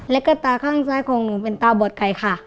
แล้วก็ตาข้างซ้ายของหนูเป็นตาบอดไก่ค่ะ